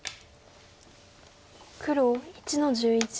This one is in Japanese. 黒１の十一。